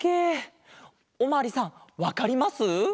おまわりさんわかります？